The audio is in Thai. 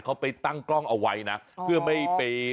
เออความเป็นแม่ก็จะนึกถึงนมเนี่ย